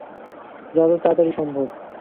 যত তাড়াতাড়ি সম্ভব!